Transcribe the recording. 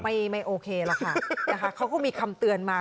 ไม่โอเคหรอกค่ะนะคะเขาก็มีคำเตือนมา